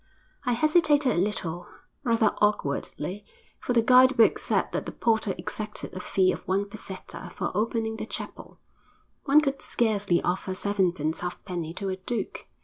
I hesitated a little, rather awkwardly, for the guide book said that the porter exacted a fee of one peseta for opening the chapel one could scarcely offer sevenpence halfpenny to a duke.